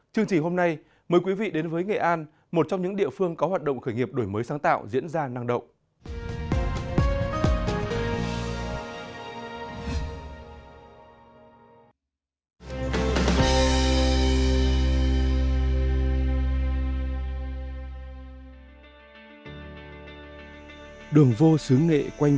chương trình hôm nay mời quý vị đến với nghệ an một trong những địa phương có hoạt động khởi nghiệp đổi mới sáng tạo diễn ra năng động